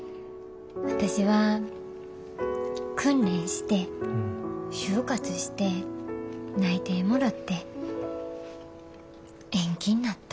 私は訓練して就活して内定もらって延期になった。